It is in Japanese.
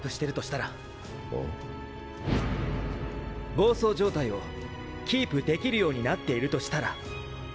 暴走状態をキープできるようになっているとしたら？